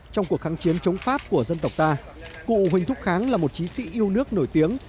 trong cuộc kháng chiến chống pháp của dân tộc ta cụ huỳnh thúc kháng là một chiến sĩ yêu nước nổi tiếng